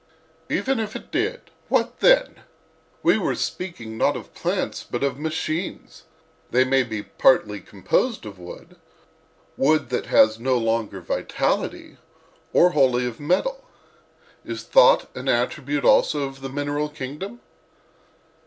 "Even if it did—what then? We were speaking, not of plants, but of machines. They may be composed partly of wood—wood that has no longer vitality—or wholly of metal. Is thought an attribute also of the mineral kingdom?"